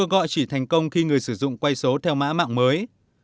gọi chỉ thành công khi người sử dụng quay số theo mã mạng mới